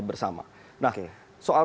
bersama nah soal